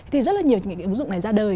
thì rất là nhiều những cái ứng dụng này ra đời